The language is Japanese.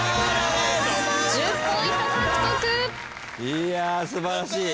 いや素晴らしい。